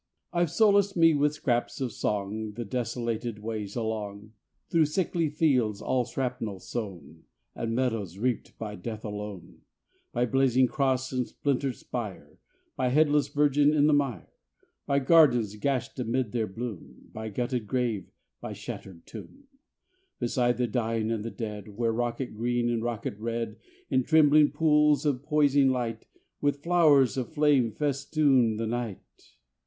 I've solaced me with scraps of song The desolated ways along: Through sickly fields all shrapnel sown, And meadows reaped by death alone; By blazing cross and splintered spire, By headless Virgin in the mire; By gardens gashed amid their bloom, By gutted grave, by shattered tomb; Beside the dying and the dead, Where rocket green and rocket red, In trembling pools of poising light, With flowers of flame festoon the night.